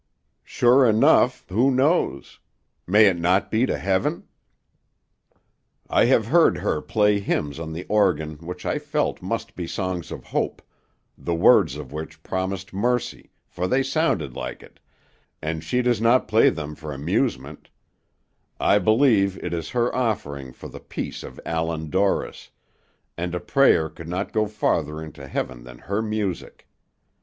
'" Sure enough, who knows? May it not be to heaven? "I have heard her play hymns on the organ which I felt must be songs of hope, the words of which promised mercy, for they sounded like it, and she does not play them for amusement; I believe it is her offering for the peace of Allan Dorris, and a prayer could not go farther into heaven than her music.